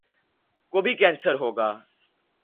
کو بھی کینسر ہو گیا ؟